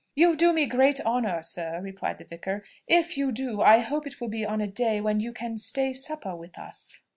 "You do me great honour, sir!" replied the vicar. "If you do, I hope it will be on a day when you can stay supper with us."